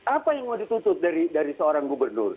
apa yang mau ditutup dari seorang gubernur